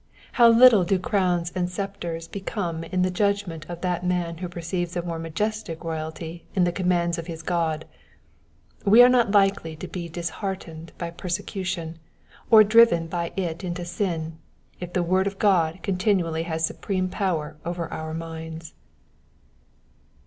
How little do crowns and sceptres become in the judgment of that man who perceives a more majestic royalty in the commands of his God. We are not likely to be disheartened by persecution, or driven by it into sin, if the word of God continually has supreme power over our minds.